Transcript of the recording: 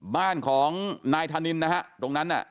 บ้านของนายธานินนะฮะตรงนั้นน่ะ